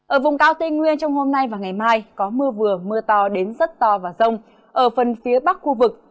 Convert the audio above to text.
ở vùng cao tây nguyên trong hôm nay và ngày mai có mưa vừa mưa to đến rất to và rông ở phần phía bắc khu vực